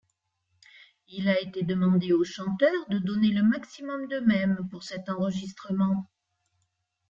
Il a été demandé aux chanteurs de donner le maximum d'eux-mêmes pour cet enregistrement.